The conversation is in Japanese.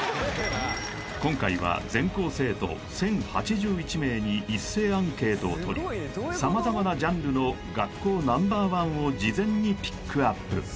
今回は全校生徒１０８１名に一斉アンケートをとり様々なジャンルの学校Ｎｏ．１を事前にピックアップ